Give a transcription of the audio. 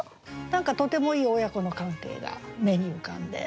何かとてもいい親子の関係が目に浮かんで。